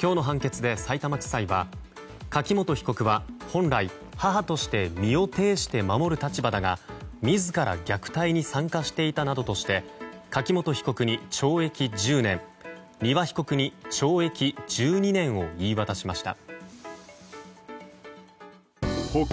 今日の判決でさいたま地裁は柿本被告は本来、母として身を挺して守る立場だが自ら虐待に参加していたなどとして柿本被告に懲役１０年丹羽被告に懲役１２年を言い渡しました。